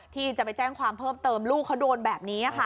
ที่จะไปแจ้งความเพิ่มเติมลูกเขาโดนแบบนี้ค่ะ